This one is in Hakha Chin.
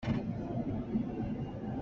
Kan nihnak ah kan mitthli zong a tla dih.